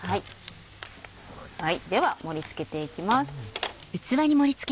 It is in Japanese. では盛り付けていきます。